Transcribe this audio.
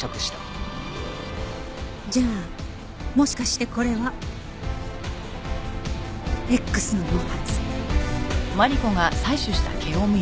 じゃあもしかしてこれはＸの毛髪。